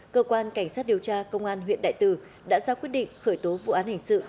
cơ quan cảnh sát điều tra công an huyện đại từ đã ra quyết định khởi tố vụ án hình sự